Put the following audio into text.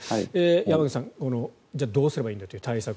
山口さん、じゃあどうすればいいんだという対策